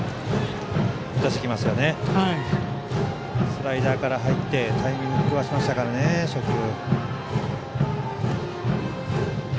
スライダーから入ってタイミング、壊しましたからね初球。